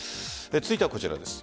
続いてはこちらです。